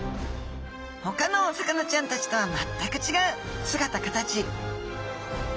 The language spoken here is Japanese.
ほかのお魚ちゃんたちとは全く違う姿形